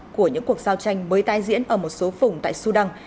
của những cuộc giao tranh mới tái diễn ở một số phùng tại sudan